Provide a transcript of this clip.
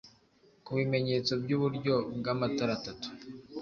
ku bimenyetso byuburyo bwamatara atatu